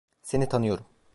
Seni tanıyorum.